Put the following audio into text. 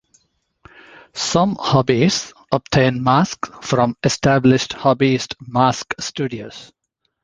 Some hobbyists obtain masks from established hobbyist mask studios.